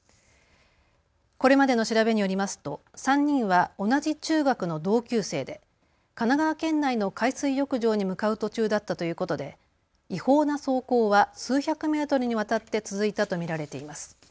これまでの調べによりますと３人は同じ中学の同級生で神奈川県内の海水浴場に向かう途中だったということで違法な走行は数百メートルにわたって続いたと見られています。